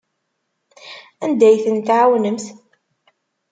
Anda ay ten-tɛawnemt?